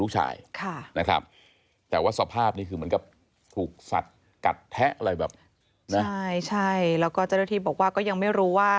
ใช่แล้วก็เจ้าหน้าที่บอกว่าก็ยังไม่รู้ว่า